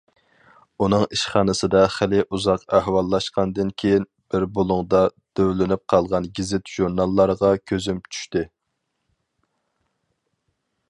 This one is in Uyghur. ئۇنىڭ ئىشخانىسىدا خېلى ئۇزاق ئەھۋاللاشقاندىن كېيىن، بىر بۇلۇڭدا دۆۋىلىنىپ قالغان گېزىت- ژۇرناللارغا كۆزۈم چۈشتى.